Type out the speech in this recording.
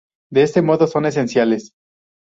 De este modo son esenciales.